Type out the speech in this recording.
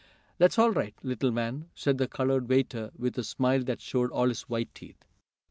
"Dat's all right, little man," said the colored waiter with a smile that showed all his white teeth.